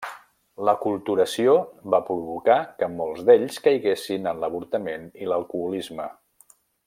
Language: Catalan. L'aculturació va provocar que molts d'ells caiguessin en l'avortament i l'alcoholisme.